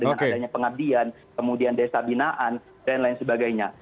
dengan adanya pengabdian kemudian desa binaan dan lain sebagainya